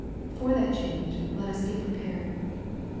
For that change let us be prepared.